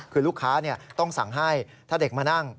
คือลูกค้าต้องสั่งให้ถ้าเด็กมานั่ง